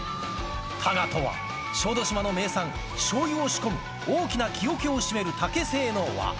タガとは小豆島の名産、しょうゆを仕込む大きな木おけを締めるえ竹製の輪。